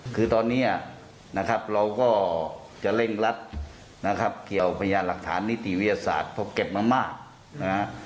คือตอนนี้นะครับเราก็จะเร่งรัดนะครับเกี่ยวพยานหลักฐานนิติวิทยาศาสตร์เพราะเก็บมามากนะฮะ